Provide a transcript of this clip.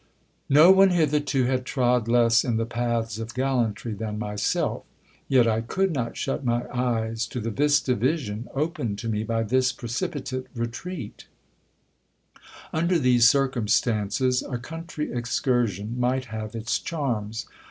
No one hitherto had trod less in the paths of gallantry than myself ! Yet I could not shut my eyes to the vista vision opened to me by this precipitate re treat Under these circumstances, a country excursion might have its charms.